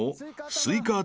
スイカ頭。